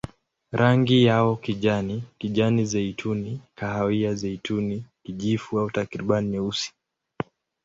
Rangi yao kijani, kijani-zeituni, kahawia-zeituni, kijivu au takriban nyeusi.